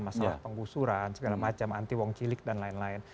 masalah penggusuran segala macam anti wong cilik dan lain lain